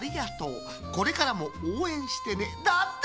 これからもおうえんしてね」だって。